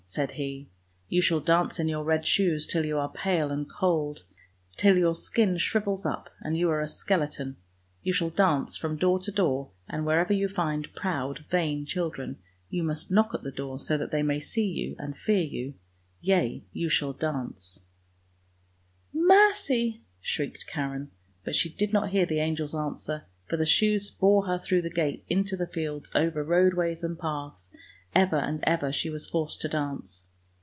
" said he, " you shall dance in your red shoes till you are pale and cold. Till your skin shrivels up and you are a skeleton! You shall dance from door to door, and wherever you find proud vain children, you must knock at the door so that they may see you and fear you. Yea, you shall dance "" Mercy! " shrieked Karen, but she did not hear the angel's answer, for the shoes bore her through the gate into the fields over roadways and paths, ever and ever she was forced to dance.